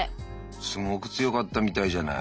すごく強かったみたいじゃない。